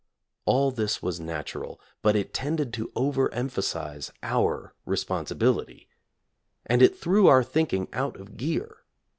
All this was natural, but it tended to over emphasize our re sponsibility. And it threw our thinking out of gear.